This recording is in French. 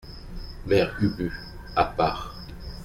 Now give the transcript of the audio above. Mère Ubu , à part.